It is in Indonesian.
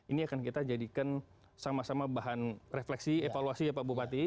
ini akan kita jadikan sama sama bahan refleksi evaluasi ya pak bupati